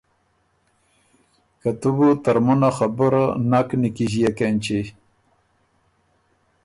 که تُو بو ترمُن ا خبُره نک نیکیݫيېک اېنچی۔